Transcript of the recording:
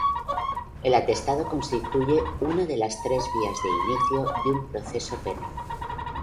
El atestado constituye una de las tres vías de inicio de un proceso penal.